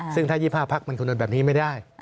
ซึ่งถ้า๒๕พักมันคำนวณแบบนี้ไม่ได้